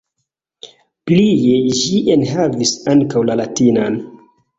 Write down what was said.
Plie ĝi enhavis ankaŭ la latinan.